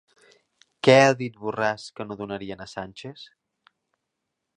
Què ha dit Borràs que no donarien a Sánchez?